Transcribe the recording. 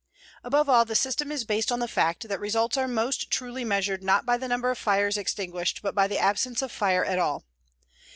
Above all, the system is based on the fact that results are most truly measured not by the number of fires extinguished but by the absence of fire at all.